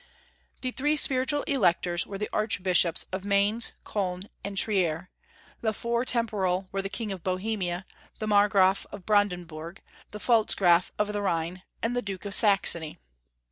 The three spiritual Electors were the Archbishops of Mainz, Koln, and Trier; the four temporal were the King of Bohemia, the Margraf of Brandenburg, the Pfalzgraf of the Rhine, and the Duke of Saxony.